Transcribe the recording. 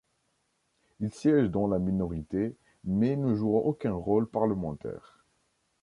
Il siège dans la minorité mais ne joue aucun rôle parlementaire.